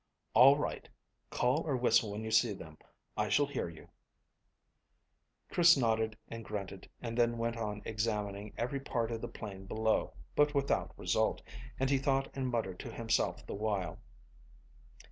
"All right. Call or whistle when you see them. I shall hear you." Chris nodded and grunted, and then went on examining every part of the plain below, but without result, and he thought and muttered to himself the while.